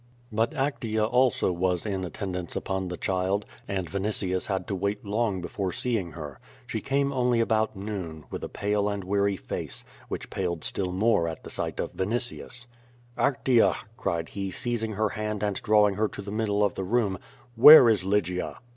But Actea also was in attendance upon the child, and Vini tius had to wait long before seeing her. She came only about noon, with a pale and weary face, which paled still more at sight of Vinitius. "Actea," cried he, seizing her hand and drawing her to the middle of the room, "where is Lygia?"